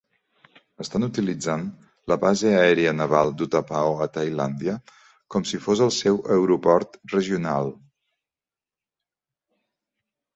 Estan utilitzant la Base Aèria Naval d'Utapao a Tailàndia com si fos el seu aeroport regional.